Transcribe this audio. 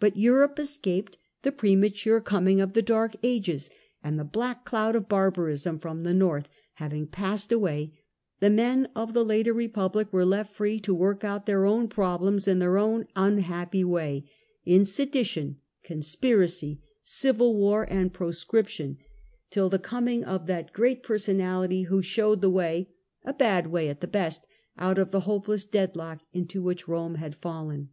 But Europe escaped the premature coming of the Dark Ages, and the black cloud of barbarism from the north having passed away, the men of the later Eepublic were left free to work out their own problems in their own unhappy way, in sedition, conspiracy, civil war, and ])rosciiptiou, lib the THE SUCCESSION OF STATESMEN ii coming of that great personality who showed the way — a bad way at the best — out of the hopeless deadlock into which Eome had fallen.